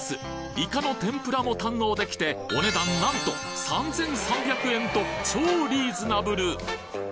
いかの天ぷらも堪能できてお値段なんとと超リーズナブル！